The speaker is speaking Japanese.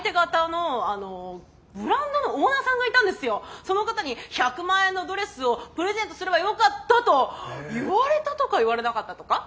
その方に「１００万円のドレスをプレゼントすればよかった」と言われたとか言われなかったとか。